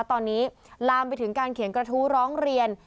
ตอนนี้ลามไปถึงการเขียนกระทู้ร้องเรียน